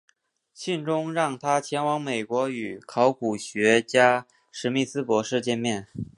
信中让他前往美国与考古学家史密斯博士见面。